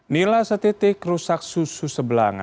nilai setitik rusak susu sebelang